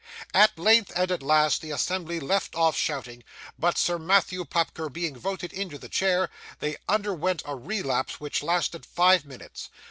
At length, and at last, the assembly left off shouting, but Sir Matthew Pupker being voted into the chair, they underwent a relapse which lasted five minutes.